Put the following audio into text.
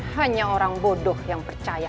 hanya orang bodoh yang percaya